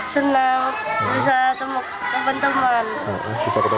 senang senang bisa ketemu teman teman